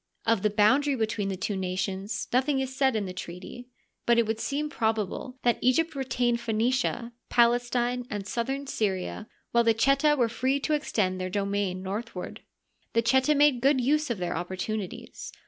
Of the boundary between the two nations nothing is said in the treaty ; but it would seem probable that Egypt retained Phoenicia, Palestine, and southern Syria, while the Cheta were free to extend their domain northward. The Cheta made good use of their opportunities.